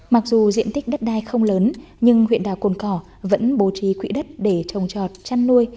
mặc dù diện tích đất đai không lớn nhưng huyện đảo cồn cỏ vẫn bố trí quỹ đất để trồng trọt chăn nuôi